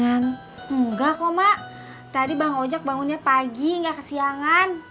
enggak kok mak tadi bang ojak bangunnya pagi gak ke siangan